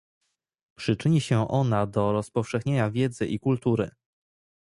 Przyczyni się ona do rozpowszechnienia wiedzy i kultury